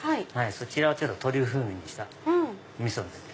そちらをトリュフ風味にしたみそです。